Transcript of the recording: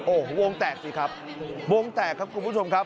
โอ้โหวงแตกสิครับวงแตกครับคุณผู้ชมครับ